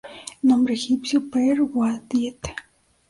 Nombre egipcio: Per-Uadyet.